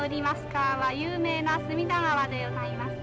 川は有名な隅田川でございます。